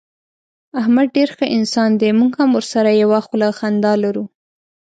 احمد ډېر ښه انسان دی. موږ هم ورسره یوه خوله خندا لرو.